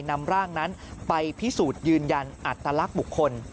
นำร่างนั้นไปพิสูจน์ยืนยันอัตลักษณ์บุคคล